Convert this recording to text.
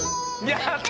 やった！